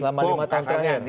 selama lima tahun terakhir